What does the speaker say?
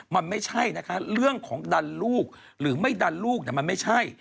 มันไม่ใช่นะคะเรื่องของดันลูกหรือไม่ดันลูกมันไม่ใช่